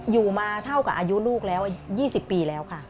อยู่มาเท่ากับอายุลูกแล้ว๒๐ปีแล้วค่ะ